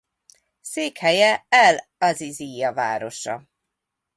Székhelye el-Azízijja városa.